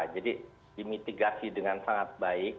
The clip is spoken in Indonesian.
jadi dimitigasi dengan sangat baik